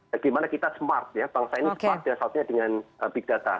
bagaimana kita smart ya bangsa ini smart satunya dengan big data